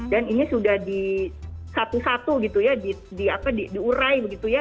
dan ini sudah di satu satu gitu ya diurai begitu ya